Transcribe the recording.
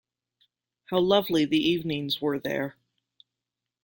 How lovely the evenings were there!